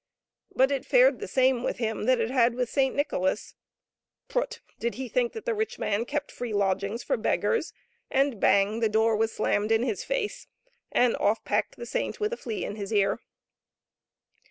But it fared the same with him that it had with Saint Nicholas. Prut ! Did he think that the rich man kept free lodgings for beggars? And — bang !— the door was slammed in his face, and off packed the saint with a flea in his ear.